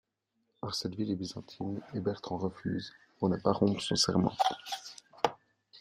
Or cette ville est byzantine, et Bertrand refuse, pour ne pas rompre son serment.